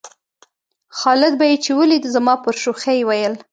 خالد به یې چې ولېده زما پر شوخۍ ویل.